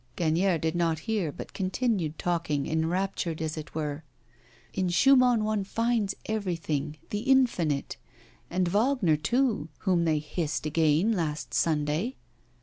Gagnière did not hear, but continued talking, enraptured, as it were. 'In Schumann one finds everything the infinite. And Wagner, too, whom they hissed again last Sunday!